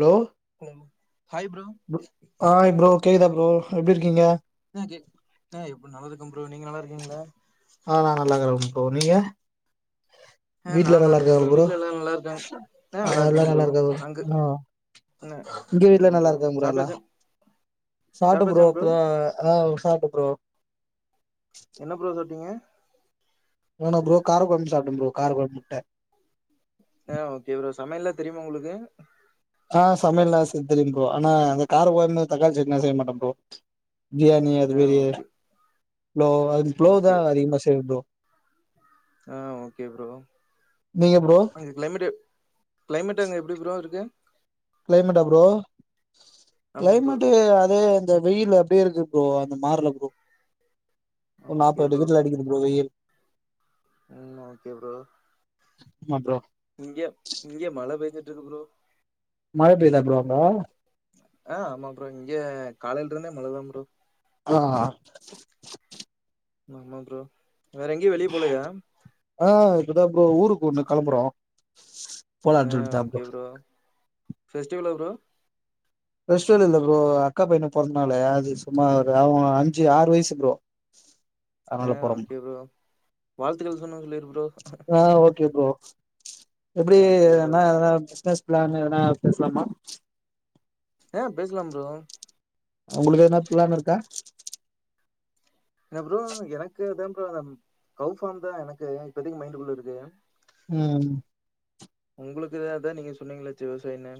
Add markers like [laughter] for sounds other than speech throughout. Low hello hi bro ப் hi bro கேக்குதா bro எப்படி இருக்கீங்க ஆ கே ஆ எப்டி நல்லா இருக்கே ப்ரோ நீங்க நல்லா இருக்கீங்களா ஆஹ் நா நல்லாருக்க ப்ரோ நீங்க ஆ நா வீட்ல நல்லா இருக்கே இருக்காங்களா ப்ரோ வீட்ல எல்லாரு நல்லா இருக்காங் ஆ எல்லா இருக்காங்க நல்லா இருக்காங் ப்ரோ அங்க இன்னூ ஆ உங்க வீட்ல சேரிங்க நல்லா இருக்காங்களா ப்ரோ எல்லா சாப்ட்டாச்சா சாப்ட ப்ரோ இப்பதா அ சாப் ருக்க ப்ரோ என்ன ப்ரோ சாப்பிட்டீங்க நானா ப்ரோ கார குழம்பு சாப்பிட்ட ப்ரோ கார் குழம்பு முட்ட எ ஓகே ப்ரோ சமையல் எல்லா தெரியுமா உங்களுக்கு ஆஹ் சமையலெல்லா செய்ய தெரியூ ப்ரோ ஆனா அந்த கார குழம்பு தக்காளி சட்னி செய்ய மாட்ட ப்ரோ பிரியாணி அது ஆ பெரிய ஓகே புலோவ் அது புலோவ்தா அதிகமா செய்வ ப்ரோ ஆஹ் ஓகே ப்ரோ நீங்க ப்ரோ அங்க கிளைமேட் கிளைமேட் அங்க எப்படி ப்ரோ இருக்கு கிளைமேட் அ ப்ரோ ஆமா ப்ரோ கிளைமேட் அதே இநந்த வெய்யில் அப்படியே இருக்கு ப்ரோ அந்த மார்ல ப்ரோ ஆ ஒரு ஓகே நாப்பது ப்ரோ டிகிரில அடிக்கிறது ப்ரோ வெய்யில் ம் ஓகே ப்ரோ ஆமா ப்ரோ இங்க இங்க மழ பேஞ்ச் க்கு பரோ மழ பெய்தா ப்ரோ அங்க கால இல்றந்தே மலதம்ரு ஆஹ் ஆமா பரோ வேற எங்கயும் வெளியே போலையா தான் ஊருக்கு ஒண்ணு கிளம்புறோம் [inaudible] ஃெஸ்டிவல் எவறோ ரஸ்ட இல்ல ப்ரோ அக்கா பையனை பறனாலே அது சுும்மாார் அவன் அஞ்சு ஆறு வயசு பரோம் ஆஹ் ஓகே ப்ரோ வாழ்த்துக்கள் சொன்னும் சொல்லிரு ப்ரோ எப்படி ஆ ஓகே ப்ரோ என்ன பிசினஸ் னா பேசலாமா ஆஹ் பேசலாம் ரோ உங்களுக்கு என்னா பளான் இருக்கா அப்பும் அந்த கௌப தான் எனக்கு இப்போதைக்கு மைண்ட் இருக்கு உஹம் உங்களுக்குான் நீங்க சொன்னீங்களாச்சு விவசாயன்னு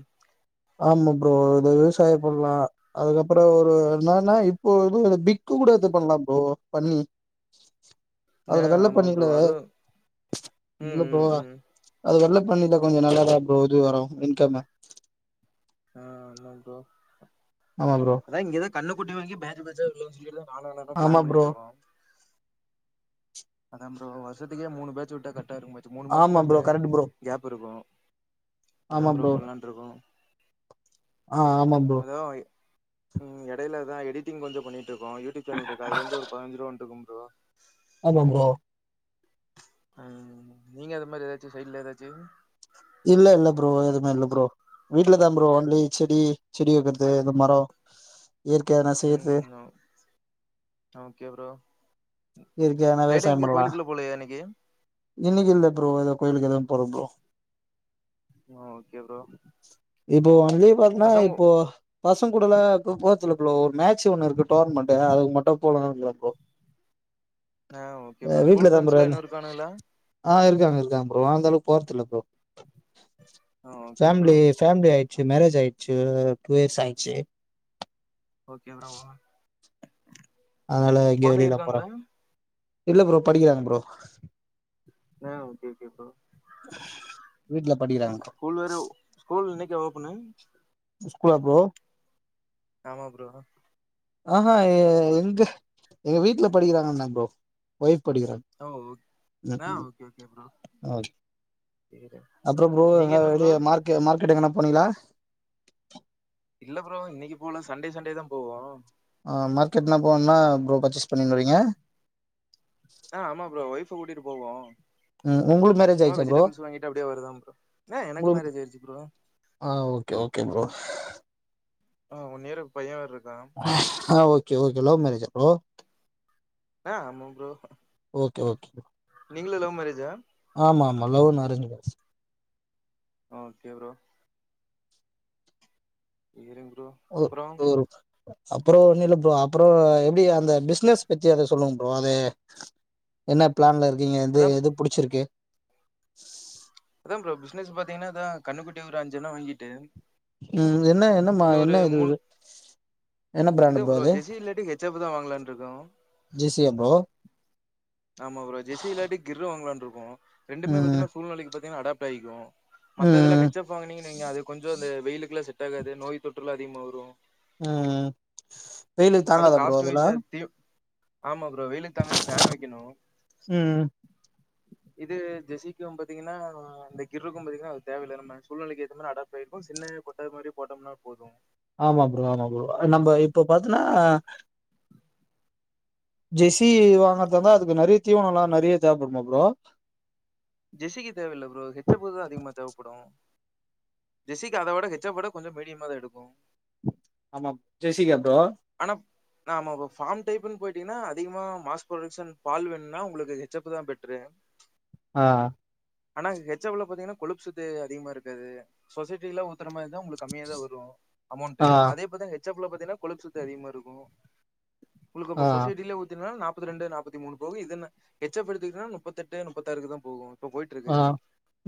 ஆமா ப்ரோ இத விவசாயம் பண்ணலாம் அதுக்கப்புறம் ஒரு என்னன்னா இப்போ எ பிக்கு கூட இது பண்ணலாம் ப்ரோ பண்ணி ஆ அதுல வெள்ளை ஆமா பண்ணல ப்ரோ அதுவு ம் இல்ல ம் ம் அது வெள்ள பண்ணல கொஞ்சம் நல்லா தான் அப்றம் இது வரும் இன்கம் ஆஹ் நோோ ஆமா ப்ரோ அதான் இங்கதான் கண்ணுக்குட்டி வாங்கி பே [unintelligible] நாால எல்லும் ஆமா பிளான் ப்ரோ பண்ணிட்டு இருக்கோம் அதது அ வசதி மூு பேஜ ஊட்ட கட்ட இரு மூணு மாசம் ஆமா தான் ப்ரோ கரெக்ட் ப்ரோ கேப் இருக்கும் அத அப்புறம் கொலாட்டு இருக்கணும் ஆஹ் ஆமா ப்ரோ உம் இடையில தான் எடிட்டிங் கொஞ்சம் பண்ணிட்டு இருக்கும் ூடியூப் சேல் இருக்குது இரு ஒருபன்சுரூவா வன்ட்ருக்கும் ஆமாம்பரோ உஹம் நீங்க அது மாதிரி ஏதாச்சு சைடல ஏதாச்சு இல்ல இல்ல ப்ரோ எதுவுமே இல்லை ப்ரோ வீட்டுல தான் ப்ரோ ஓன்லி செடி செடி வைக்கறிறது இது மரம் உஹம் ஓகே ப்ரோ இயற்கையான ஃரைடே விவசாயம் இங்க பண்லா கோயிலுக்குள்ள போல இன்னைக்கு இன்னைக்கு இல்ல ப்ரோ ஏத கோயிலுக்கு ஏது போல ப்ரோ ஓகே ப்ரோ இப்போ அங்கயே பாத்தீங்கன்னா பசங்க இப்போ பசங்க கூடலா போறதுல ப்ரோ ஒரு மேட்சு ஒண்ணு இருக்கு டோர்னமெண்ட் அதுக்கு மட்டு போலானு [unintelligible] ப்ரோ ஆஹ் ஓகே ப்ரோ ஸ்கூல் ஃப்ரண்ட்ஸ்லா இன்னு இருக்கானுகளா ஆஹ் இருக்காங்க இருக்காங்க ப்ரோ அந்தளவு போறதில்ல ப்ரோ ஆ ஓகே ப்ரோ ஃபேமிலி பேமிலி ஆயி மேரேஜ் ஆயிடுச்சு டூ இயர்ஸ் ஆயிடுச்சு ஓகே ப்ரோ அதனால எங்கே கொழந்தைங்க வெளிலா போற இருக்காங்களா இல்ல ப்ரோ படிக்கிறாங்க ப்ரோ ஆ ஓகே ஓகே ப்ரோ வீட்ல படிக்கிறாங்க ப்ரோ. ஸ்கூல் வேற ஸ்கூல் இன்னைக் குதா ஓபன்னு ஸ்கூலா ப்ரோ ஆமா ப்ரோ ஆஹ்ஹா எ எங்க எங்க வீட்டுல படிக்கிறாங்கண்ண ப்ரோ ஒய்ஃப் படிக்கிறாங் ஓ ஆ ஓகே ஓகே ப்ரோ அ சேரி அப்ற ப்ரோ நீங்க எங்காது என்ன ப்ரோ வெளிய மார்கெ மார்க்கெட் எங்கனாது போனீங்களா இல்ல ப்ரோ இன்னைக்கு போல சண்டே சண்டே தா போவோ ஆ மார்க்கெட் எல்லா போனோனா ப்ரோ பர்ச்சேஸ் பண்ணனு வறீங்க ஆஹ் ஆமா ப்ரோ ஒய்ஃப கூட்டி ம் உங்குளுக்கு மேரேஜ் ஆயிருச்சா ப்ரோ வெஜிடபிள்ஸ் வாங்கிட்டு அப்டியே வருதான் ப்ரோ ஆ எனக்கு உங்குளு மேரேஜ் ஆயிடுச்சு ப்ரோ ஆ ஓகே ஓகே ப்ரோ ஆஹ் ஒன் இயர்ல பைய வேற இருக் ஆஹ் ஓகே ஓகே லவ் மேரேஜா ஓ ஆஹ் [unintelligible] ஓகே ஓகே ப்ரோ. நீங்களு லவ் மேரேஜா ஆமா ஆமா லவ்ன் and arrange marriage okay bro [unintelligible] ஒ அப்றோ ஒரு அப்றோ ஒன்னுல்ல ப்ரோ அப்றோ எப்டி அந்த பிசினஸ் பத்தி எதா சொல்லுங்க ப்ரோ அது என்ன பிளான்ல இருக் கீங்க எந்த அதா எது புடிச்சிருக்கு அதா ப்ரோ பிசினஸ் பாத்தீங்ன்னா அதா கன்னுக்குட்டி ஒரு அஞ்சன்ன வாங்கீட்டு உம் என்ன என்னமா என்ன இது ஒரு இது ப்ரோ ஜெஷி இல்லாட்டி ஹெச் ஃப் தா வாங்கலான்ட்டுருக்கோ ஜேசியா ப்ரோ ஆமா ப்ரோ ஜெசி இல்லாட்டி கிர்ற வாங்களான்ட் ரெண்டுமே ம் பாத்தீங்கன்னா சூழ்நிலை பாத் அடப்பாயிக்கும் மத்த இதெல்லாம் ம் ஹெச்சப்பாங்கன்னீங்க நீங்க அது கொஞ்சம் அ வெயிலுக்கெல்லாம் செட்டாகாது நோய் தொற்றெல்லாம் அதிகமாக வரும் உம் வெயிலுக்கு அது தாங்காதா புரோ காஸ்ட் வைஸா அதெல்லாம் தீ ஆமா இப்போவெயிலுக்கு தாங்காது ஃபேன் வை இனோ ம் இது ஜெஸிக்கும் பாத்தீங்கன்னா இந்த கிருக்கும் பாத்தீங்கன்னா அது தேவை இல்லை நம்ம சூழ்நிலைக்கு ஏற்ற மாதிரி அடப்பாயிருக்கும் சின்ன கொட்டாகை மாதிரி போட்டோம்னா போதும் ஆமா புரோ ஆமா புரோ நம்ம இப்ப பாத்தன்னா ஆனா ஜெஸ்ஸி வாங்கறதாஇருந்தா அதுக்கு நிறைய தீவனம் எல்லாம் நிறைய தேவைப்படுமா புரோ ஜெஸிக்கு தேவையில்ல ஜெசிக்கு அதை விட ஹெச்சப்ப விட கொஞ்சம் மீடியமா தான் எடுக்கும் ஆமா ஜெசி ஆனா நாம ஃபார்ம் டைன்னு போயிட்டீங்கன்னா அதிகமா மாஸ் ப்ரொடக்ஷன் பால் வேணும்னா உங்களுக்கு ஹெச்சப் தான் பெட்ரு ஆஹ் ஆனா ஹெச்ப்ல பாத்தீங்கன்னா கொழுப்பு சத்து அதிகமா இருக்காது சொசைட்டி எல்லாம் ஊத்தறமா உங்களுக்கு கம்மிய தா வரும் அமௌண்டு ஆ அதே போ ஹெச்சப்புல பாத்திங்கன்ன கொழுப்பு [unintelligible] அதிகமாருக்கு உங்ளுக்கு இப்ப ஆ சொசைட்டிலே ஊத்தினால் நாப் முப்பத்ரெண்டு நாப்பத்தி மூணு போக இது என்ன எச்சப்படுத்துகிட்னா முப்பத்தெட்டு முப்பத்தாருக்கு தா போகு இப்ப போயிட்டு இருக்கு ஆ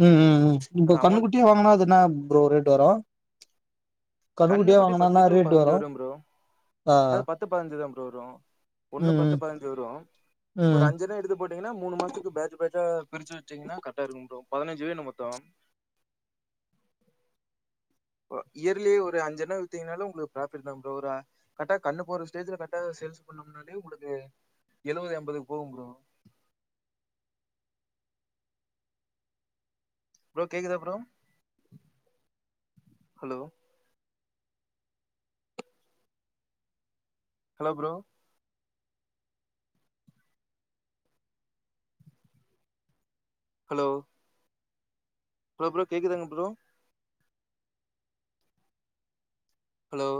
ம் ம் ம் இப்ப அது கண்ணு அமௌண்ட் குட்டியா வாங்குனா அது என்ன ப்ரோ ரேட் வரு கண்ணு கண்ணுக்குட்டியா குட்டி பத்து வாங்குனன்னா டூ ரேட் பதுனஞ்சு வரு ப்ரோ ஆ அது பத்து பதனஞ்சு தா ப்ரோ வரு ஒண்ணு பத்து ம் பதுனஞ்சு வரு ம் ம் ஒரு அஞ்சனு எடுத்து போட்டீங்கன்னா மூணு மாசத்துக்கு பேஜ் பேஜ் ஜா பிரிச்சு வெச்சீங்கன்னா கரெக்டா இருக்கு ப்ரோ பதுனஞ்சு வேணு மொத்தம் இயர்லியே ஒரு அஞ்சண்ணா வித்தீங்கனாலு உங்களுக்கு ப்ராஃபிட் தா ப்ரோம் ஒரு கரெக்டா கண்ணு போடுற ஸ்டேஜ்ல கரெக்டா சேல்ஸ் பண்ணோம்னாலே உங்களுக்கு எழுவது எம்பது போகும் ப்ரோ ப்ரோ கேக்குதா bro hello hello bro hello hello bro கேக்குதுங் ப்ரோ ஹலோ